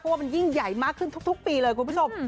ว่ามันยิ่งใหญ่มากขึ้นทุกปีเลยคุณผู้ชม